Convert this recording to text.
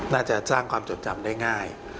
น่าจะสร้างความจดจำได้ง่าย